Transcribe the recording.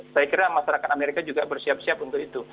saya kira masyarakat amerika juga bersiap siap untuk itu